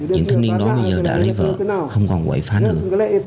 những thanh niên đó bây giờ đã lấy vợ không còn quậy phá nữa